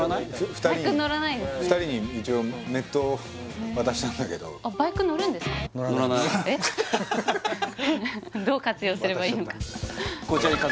２人に一応メットを渡したんだけどどう活用すればいいのか渡しちゃった